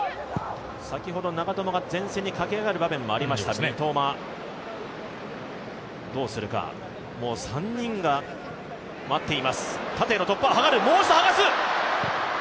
先ほど長友が前線に駆け上がるシーンもありましたから三笘、どうするか、３人が待っています。